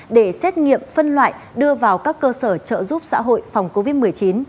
để xét nghiệm phân loại đưa vào các cơ sở trợ giúp xã hội phòng covid một mươi chín